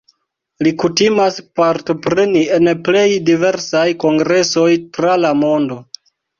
Li kutimas partopreni en plej diversaj kongresoj tra la mondo.